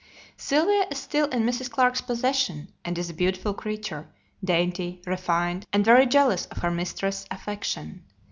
Sylvia is still in Mrs. Clarke's possession, and is a beautiful creature, dainty, refined, and very jealous of her mistress's affection.